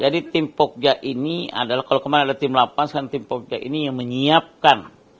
jadi tim pogja ini adalah kalau kemarin ada tim delapan sekarang tim pogja ini yang menyiapkan